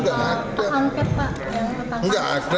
nggak ada lobby lobby itu nggak ada